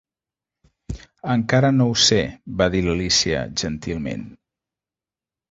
"Encara no ho sé", va dir l'Alícia, gentilment.